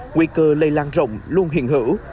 nguy cơ lây lan rộng luôn hiện hữu